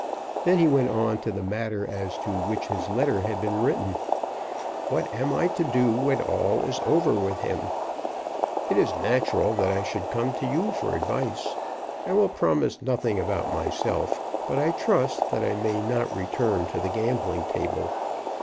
Then he went on to the matter as to which his letter had been written. "What am I to do when all is over with him? It is natural that I should come to you for advice. I will promise nothing about myself, but I trust that I may not return to the gambling table.